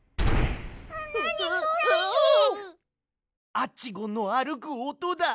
アッチゴンのあるくおとだ。